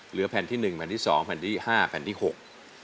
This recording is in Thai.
แผ่นที่หนึ่งแผ่นที่สองแผ่นที่ห้าแผ่นที่หก